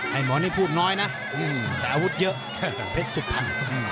หมอนี่พูดน้อยนะแต่อาวุธเยอะแต่เพชรสุพรรณ